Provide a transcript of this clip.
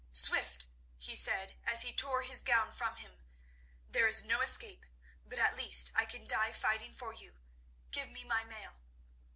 "Swift!" he said, as he tore his gown from him, "there is no escape, but at least I can die fighting for you. Give me my mail."